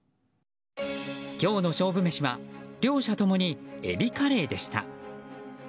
今日の勝負メシは両者ともにエビカレーでした。